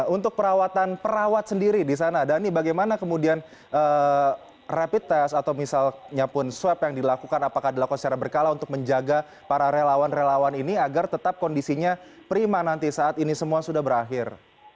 untuk perawatan perawat sendiri di sana dhani bagaimana kemudian rapid test atau misalnya pun swab yang dilakukan apakah dilakukan secara berkala untuk menjaga para relawan relawan ini agar tetap kondisinya prima nanti saat ini semua sudah berakhir